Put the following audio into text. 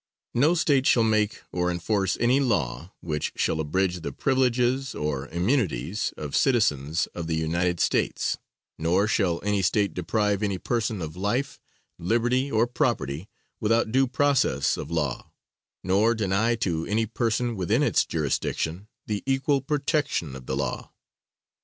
No State shall make or enforce any law which shall abridge the privileges or immunities of citizens of the United States, nor shall any State deprive any person of life, liberty or property without due process of law, nor deny to any person within its jurisdiction the equal protection of the law.